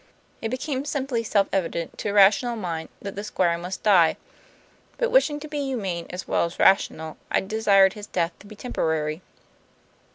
It became simply self evident, to a rational mind, that the Squire must die. But wishing to be humane as well as rational, I desired his death to be temporary.